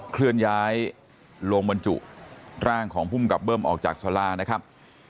เคลื่อนย้ายลงบรรจุร่างของภูมิกับเบิ้มออกจากสลานะครับ